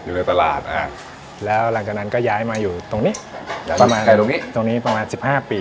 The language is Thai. อยู่ในตลาดอ่ะแล้วหลังจากนั้นก็ย้ายมาอยู่ตรงนี้ตรงนี้ประมาณสิบห้าปี